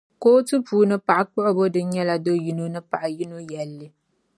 Kootu puuni paɣ’ kpuɣibo din nyɛla do’ yino ni paɣa yino yɛlli.